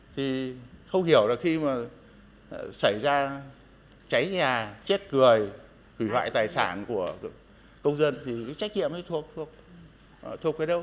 thì không hiểu là khi mà xảy ra cháy nhà chết người hủy hoại tài sản của công dân thì cái trách nhiệm ấy thuộc cái đâu